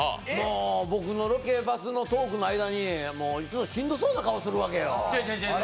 僕のロケバスのトークの間にしんどそうな顔するわけよ。